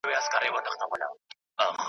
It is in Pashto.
نه پوهیږو چي په کوم ځای کي خوږمن یو .